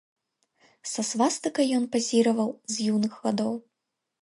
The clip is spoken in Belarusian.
Са свастыкай ён пазіраваў з юных гадоў.